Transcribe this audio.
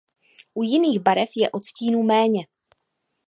U jiných barev je odstínů méně.